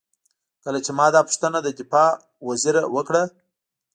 کله چې ما دا پوښتنه له دفاع وزیر نه وکړه.